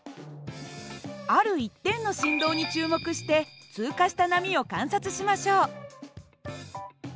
ある１点の振動に注目して通過した波を観察しましょう。